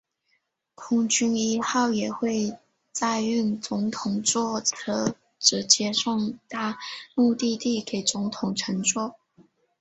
空军一号也会载运总统座车直接送达目的地给总统乘坐。